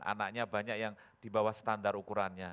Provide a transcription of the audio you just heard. anaknya banyak yang di bawah standar ukurannya